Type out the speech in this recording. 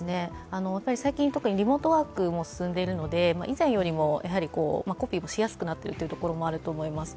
最近特にリモートワークも進んでいるので、以前よりもコピーがしやすくなっているところもあると思います。